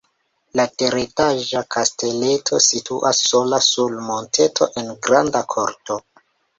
La teretaĝa kasteleto situas sola sur monteto en granda korto.